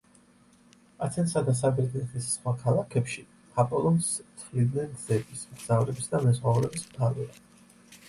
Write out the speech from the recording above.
ათენსა და საბერძნეთის სხვა ქალაქებში აპოლონს თვლიდნენ გზების, მგზავრების და მეზღვაურების მფარველად.